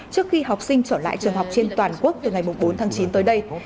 trước khi học sinh trở lại trường học trên toàn quốc từ ngày bốn tháng chín tới đây